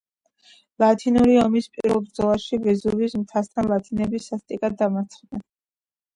ლათინური ომის პირველ ბრძოლაში ვეზუვის მთასთან ლათინები სასტიკად დამარცხდნენ.